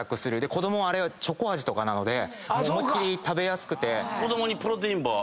子供はあれチョコ味とかなので食べやすくて。